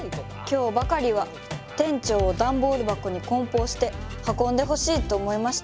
今日ばかりは店長をダンボール箱に梱包して運んでほしいと思いました